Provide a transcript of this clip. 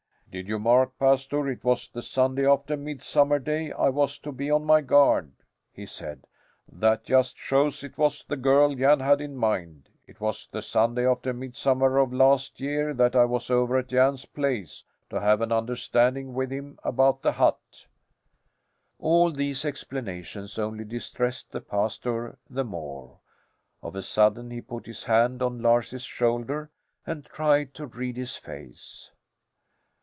"Did you mark, Pastor, it was the Sunday after Midsummer Day I was to be on my guard?" he said. "That just shows it was the girl Jan had in mind. It was the Sunday after Midsummer of last year that I was over at Jan's place to have an understanding with him about the hut." All these explanations only distressed the pastor the more. Of a sudden he put his hand on Lars's shoulder and tried to read his face.